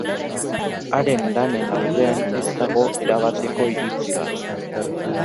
Haren lanen aurrean ez dago erabateko iritzi bat.